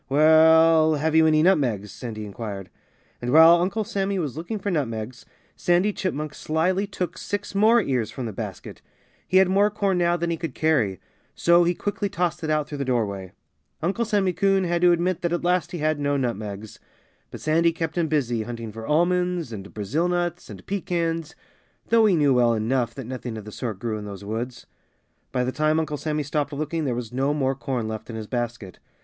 "Well have you any nutmegs?" Sandy inquired. And while Uncle Sammy was looking for nutmegs, Sandy Chipmunk slyly took six more ears from the basket. He had more corn now than he could carry. So he quickly tossed it out through the doorway. [Illustration: Uncle Sammy Searched His Shelves Carefully] Uncle Sammy Coon had to admit at last that he had no nutmegs. But Sandy kept him busy hunting for almonds and Brazil nuts and pecans, though he knew well enough that nothing of the sort grew in those woods. By the time Uncle Sammy stopped looking there was no more corn left in his basket.